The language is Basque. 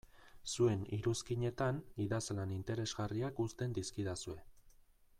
Zuen iruzkinetan idazlan interesgarriak uzten dizkidazue.